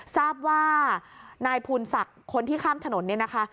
ทราบว่านายภูนศักดิ์คนที่ข้ามถนนเนี่ยนะคะ